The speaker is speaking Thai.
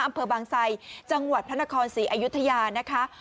อำเภอบางไซจังหวัดพระนครศรีอยุธยานะคะ